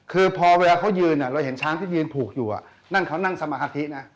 คือพอเวลาเขายืนเราเห็นช้างที่ยืนผูกอยู่นั่นเขานั่งสมาธินะ